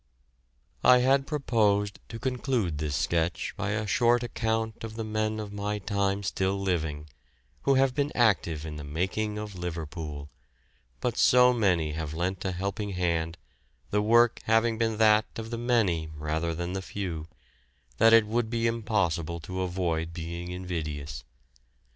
I had proposed to conclude this sketch by a short account of the men of my time still living, who have been active in the making of Liverpool, but so many have lent a helping hand, the work having been that of the many rather than of the few, that it would be impossible to avoid being invidious.